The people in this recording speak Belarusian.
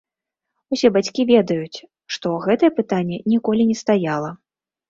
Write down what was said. Усе бацькі ведаюць, што гэтае пытанне ніколі не стаяла.